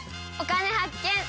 「お金発見」。